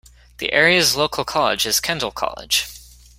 The area's local college is Kendal College.